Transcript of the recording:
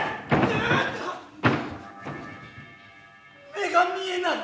目が見えない。